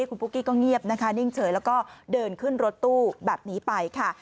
คุณปุ๊กกี้ก็เงียบนะคะนิ่งเฉยแล้วก็เดินขึ้นรถตู้แบบนี้ไปค่ะ